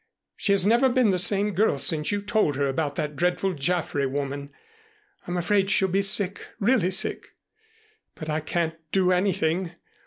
She has never been the same girl since you told her about that dreadful Jaffray woman. I'm afraid she'll be sick really sick. But I can't do anything.